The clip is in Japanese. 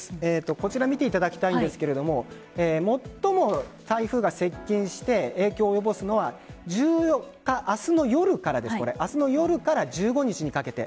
こちら見ていただきたいんですが最も台風が接近して影響を及ぼすのは１４日、明日の夜から１５日にかけて。